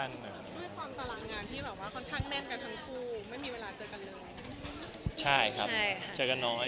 ด้วยความตลางงานที่แบบว่าค่อนข้างแม่งกันทั้งคู่ไม่มีเวลาเจอกันเลย